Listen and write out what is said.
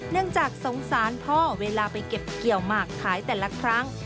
เนื่องจากสงสารพ่อเวลาไปเก็บเกี่ยวหมากขายแต่ละครั้ง